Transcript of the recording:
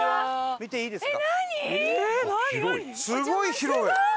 見ていいですか？